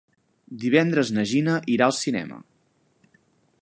Divendres na Gina irà al cinema.